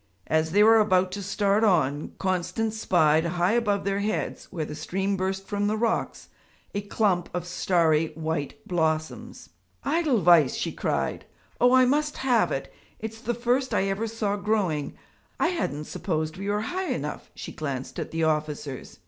As they were about to start on, Constance spied high above their heads, where the stream burst from the rocks, a clump of starry white blossoms. 'Edelweiss!' she cried. 'Oh, I must have it it's the first I ever saw growing; I hadn't supposed we were high enough.' She glanced at the officers.